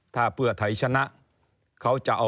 ถ้าพลเต๋อไทยชนะ